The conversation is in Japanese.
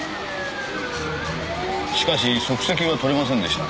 しかし足跡はとれませんでした。